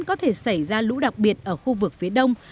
có thể xảy ra lũ đặc biệt ở khu vực phía đông